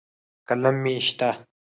قلم مې شته.